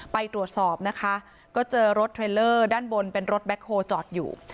ไปตรวจสอบนะคะก็เจอรถเทรลเลอร์ด้านบนเป็นรถแบ็คโฮลจอดอยู่